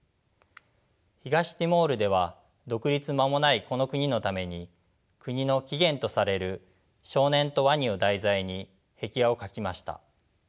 東ティモールでは独立間もないこの国のために国の起源とされる「少年とワニ」を題材に壁画を描きました。